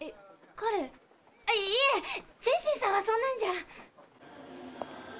いえチェンシンさんはそんなんじゃ。